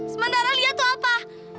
sementara lia tuh apa